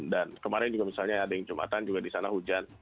dan kemarin misalnya ada yang jumatan juga di sana hujan